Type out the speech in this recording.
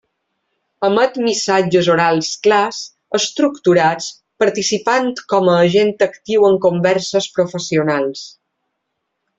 Emet missatges orals clars estructurats, participant com a agent actiu en converses professionals.